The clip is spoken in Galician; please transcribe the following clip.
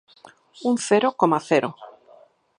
Un cero coma cero.